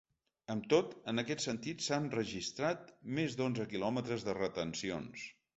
Amb tot, en aquest sentit s’han registrat més d’onze quilòmetres de retencions.